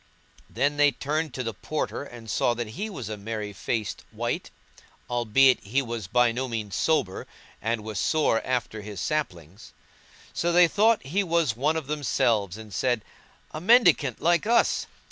Then they turned to the Porter and saw that he was a merry faced wight, albeit he was by no means sober and was sore after his slappings. So they thought that he was one of themselves and said, "A mendicant like us!